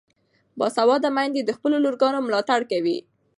باسواده میندې د خپلو لورګانو ملاتړ کوي.